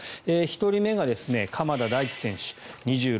１人目が鎌田大地選手、２６歳。